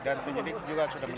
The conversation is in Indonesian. dan penyidik juga sudah menerima